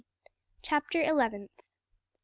'" CHAPTER ELEVENTH.